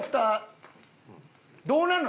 どうなんの？